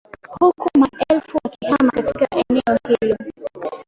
huku maelfu wakihama katika eneo hilo